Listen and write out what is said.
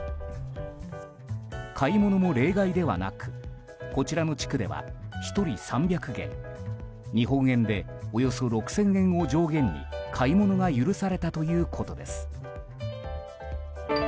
買い物も例外ではなくこちらの地区では１人３００元、日本円でおよそ６０００円を上限に買い物が許されたということです。